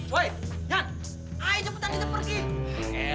woy nyan ayo cepetan kita pergi